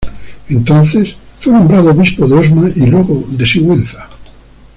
Entonces fue nombrado obispo de Osma y luego de Sigüenza.